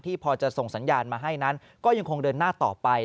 พอจะส่งสัญญาณมาให้นั้นก็ยังคงเดินหน้าต่อไป